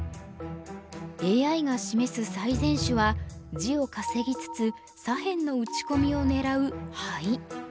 ＡＩが示す最善手は地を稼ぎつつ左辺の打ち込みを狙うハイ。